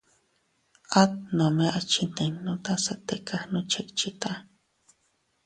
At nome a chinninuta se tika gnuchickchita.